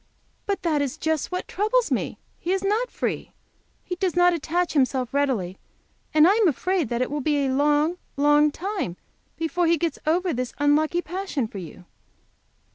"But that is just what troubles me. He is not free. He does not attach himself readily, and I am afraid that it will be a long, long time before he gets over this unlucky passion for you."